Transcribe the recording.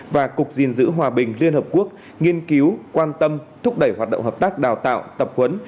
và cục diện giữ hòa bình liên hợp quốc nghiên cứu quan tâm thúc đẩy hoạt động hợp tác đào tạo tập huấn